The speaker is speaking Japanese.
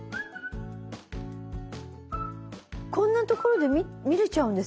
こんなところで見れちゃうんですか？